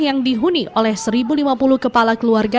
yang dihuni oleh satu lima puluh kepala keluarga